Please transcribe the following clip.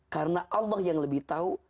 karena allah yang lebih tahu